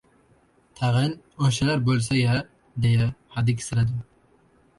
Tag‘in, o‘shalar bo‘lsa-ya, deya hadiksiradim.